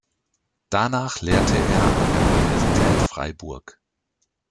Danach lehrte er an der Universität Freiburg.